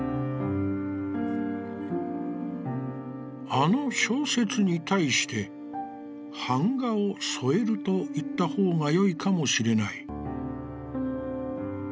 「あの小説に対して『板画を添える』といった方がよいかもしれない」。